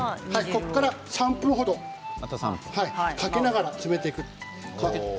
ここから３分程かけながら詰めていきます。